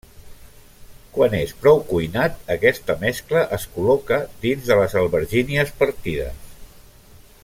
Quan és prou cuinat aquesta mescla es col·loca dins de les albergínies partides.